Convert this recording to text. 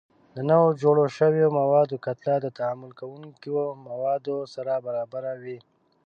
د نوو جوړ شویو موادو کتله د تعامل کوونکو موادو سره برابره وي.